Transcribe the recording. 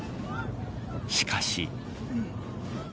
しかし。